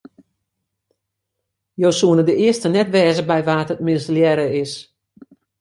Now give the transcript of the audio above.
Jo soene de earste net wêze by wa't it mislearre is.